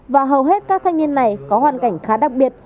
và hầu hết các thanh niên này có hoàn cảnh khá đặc biệt